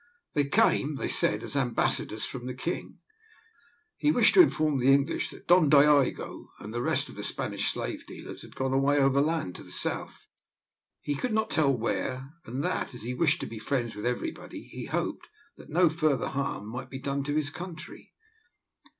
They came, they said, as ambassadors from the king. He wished to inform the English that Don Diogo and the rest of the Spanish slave dealers had gone away overland, to the south he could not tell where and that, as he wished to be friends with everybody, he hoped that no further harm might be done to his country.